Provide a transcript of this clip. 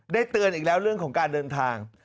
เตือนอีกแล้วเรื่องของการเดินทาง